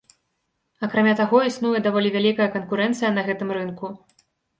Акрамя таго існуе даволі вялікая канкурэнцыя на гэтым рынку.